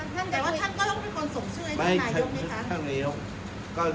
ท่านแต่ว่าท่านก็ต้องเป็นคนส่งชื่อให้ท่านนายกไหมคะ